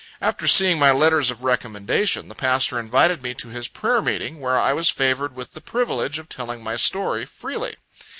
After seeing my letters of recommendation, the pastor invited me to his prayer meeting, where I was favored with the privilege of telling my story, freely.